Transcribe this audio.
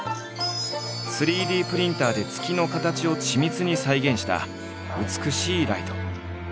３Ｄプリンターで月の形を緻密に再現した美しいライト。